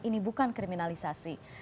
ini bukan kriminalisasi